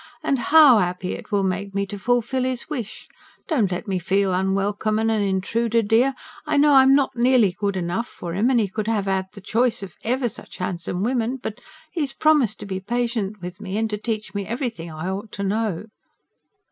"And HOW 'appy it will make me to fulfil 'is wish! Don't let me feel unwelcome and an intruder, dear. I know I'm not nearly good enough for 'im, and 'e could 'ave had the choice of ever such handsome women. But 'e 'as promised to be patient with me, and to teach me everything I ought to know."